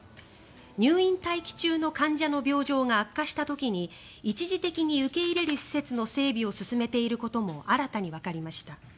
入院待機中の患者の病状が悪化した時に一時的に受け入れる施設の整備を進めていることも新たにわかりました。